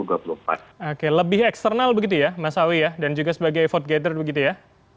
oke lebih eksternal begitu ya mas awi ya dan juga sebagai vote gather begitu ya